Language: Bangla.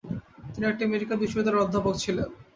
তিনি একটি মেডিকেল বিশ্ববিদ্যালয়ের অধ্যাপক ছিলেন।